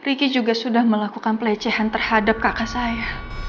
ricky juga sudah melakukan pelecehan terhadap kakak saya